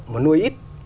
mà nuôi ít